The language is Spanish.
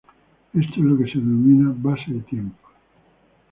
Esto es lo que se denomina base de tiempos.